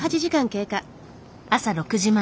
朝６時前。